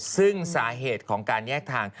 ซึ่งสาเหตุของการแยกทาง